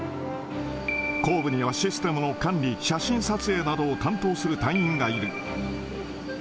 後部にはシステムの管理、写真撮影などを担当する隊員がいる。